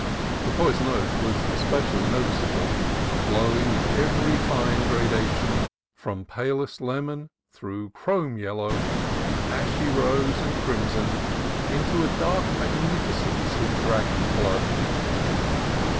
The poison oak was THE AUTUMN WOODS 285 especially noticeable, glowing in every fine grada tion from palest lemon, through chrome yellow, ashy rose, and crimson, on into dark magnificence of dragon's blood.